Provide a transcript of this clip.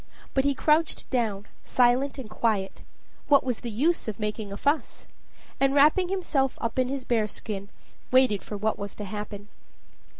But he crouched down, silent and quiet; what was the use of making a fuss? and, wrapping himself up in his bear skin, waited for what was to happen.